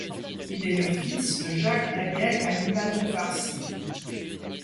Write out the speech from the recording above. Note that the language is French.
Il est le fils de Jacques Daniel Annibal de Farcy.